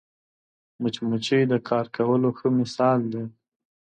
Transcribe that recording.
مچمچۍ د کار کولو ښه مثال دی